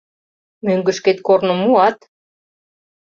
— Мӧҥгышкет корным муат?